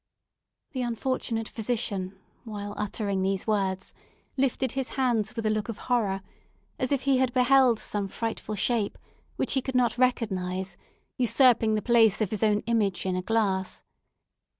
The unfortunate physician, while uttering these words, lifted his hands with a look of horror, as if he had beheld some frightful shape, which he could not recognise, usurping the place of his own image in a glass.